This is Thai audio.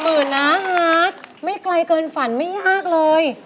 หมื่นนะฮาร์ดไม่ไกลเกินฝันไม่ยากเลย